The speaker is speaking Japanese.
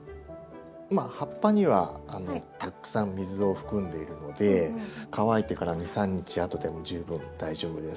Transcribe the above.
葉っぱにはたくさん水を含んでいるので乾いてから２３日あとでも十分大丈夫です。